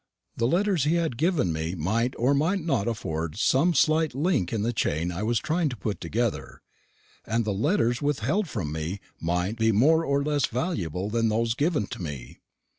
The letters he had given me might or might not afford some slight link in the chain I was trying to put together; and the letters withheld from me might be more or less valuable than those given to me.